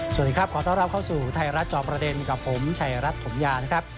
สวัสดีครับขอต้อนรับเข้าสู่ไทยรัฐจอบประเด็นกับผมชัยรัฐถมยานะครับ